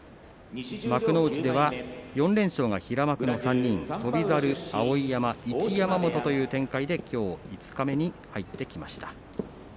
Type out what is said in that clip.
幕内では４連勝が平幕の３人翔猿、碧山、一山本という展開できょう五日目に入ってきました。